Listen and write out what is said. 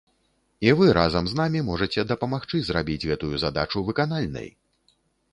І вы разам з намі можаце дапамагчы зрабіць гэтую задачу выканальнай!